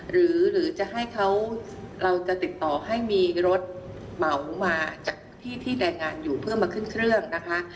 หรือจะให้เขาเราจะติดต่อให้มีรถเหมามาจากที่แรงงานอยู่เพื่อมาขึ้นเครื่องนะคะ